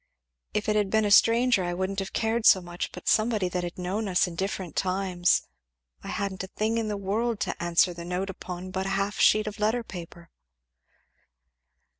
If it had been a stranger I wouldn't have cared so much, but somebody that had known us in different times I hadn't a thing in the world to answer the note upon but a half sheet of letter paper."